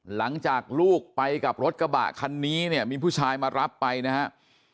หลังจากลูกไปกับรถกระบะคันนี้เนี่ยมีผู้ชายมารับไปนะครับ